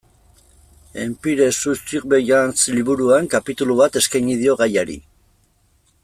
Empire sous Surveillance liburuan kapitulu bat eskaintzen dio gaiari.